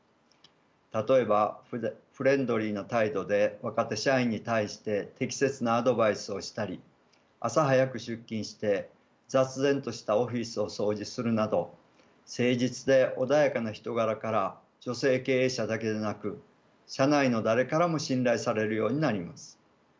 例えばフレンドリーな態度で若手社員に対して適切なアドバイスをしたり朝早く出勤して雑然としたオフィスを掃除するなど誠実で穏やかな人柄から女性経営者だけでなく社内の誰からも信頼されるようになります。